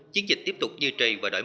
chiến dịch tiếp tục như trì và đổi mục đích